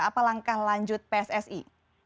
apa langkah lanjut pssi